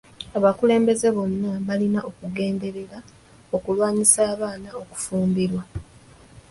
Abakulembeze bonna balina okugenderera okulwanyisa abaana okufumbirwa.